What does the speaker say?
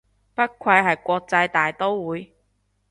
不愧係國際大刀會